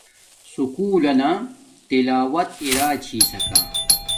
سکُول لنا تلاوت اراچھساکا